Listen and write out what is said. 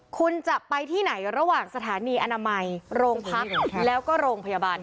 คุณจะไปที่ไหนระหว่างสถานีอนามัยโรงพักแล้วก็โรงพยาบาล